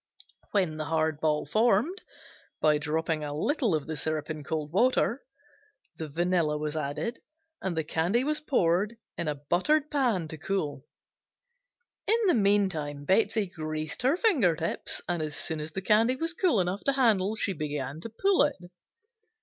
When the hard ball formed, by dropping a little of the syrup in cold water, the vanilla was added and the candy was poured in a buttered pan to cool. In the meantime Betsey greased her finger tips, and as soon as the candy was cool enough to handle she began to pull it.